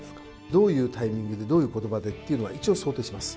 どういうタイミングでどういう言葉でというのは、一応想定します。